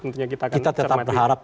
tentunya kita akan cat mati